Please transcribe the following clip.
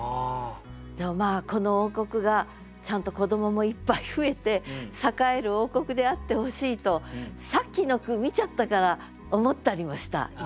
でもまあこの王国がちゃんと子どももいっぱい増えて栄える王国であってほしいとさっきの句見ちゃったから思ったりもした今。